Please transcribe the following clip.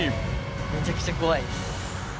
めちゃくちゃ怖いです